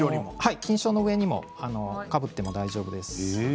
菌床の上にかぶっても大丈夫です。